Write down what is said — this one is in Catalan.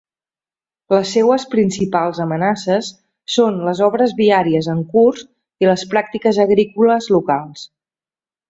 Les seues principals amenaces són les obres viàries en curs i les pràctiques agrícoles locals.